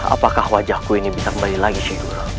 apakah wajahku ini bisa kembali lagi sheikh guru